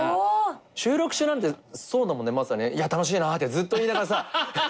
収録中なんてそうだもんねいや楽しいなってずっと言いながらさ。